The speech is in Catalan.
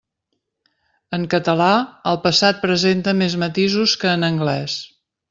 En català, el passat presenta més matisos que en anglès.